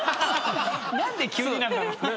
何で急になんだろうね。